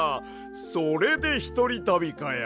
それでひとりたびかや。